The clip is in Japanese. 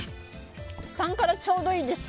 ３辛、ちょうどいいです。